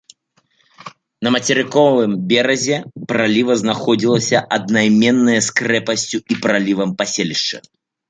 На мацерыковым беразе праліва знаходзілася аднайменнае з крэпасцю і пралівам паселішча.